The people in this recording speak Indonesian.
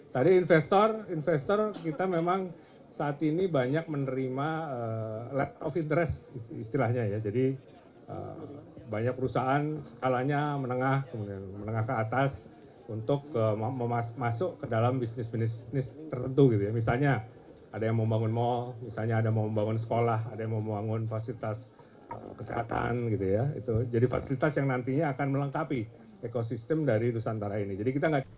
jadi fasilitas yang nantinya akan melengkapi ekosistem dari nusantara ini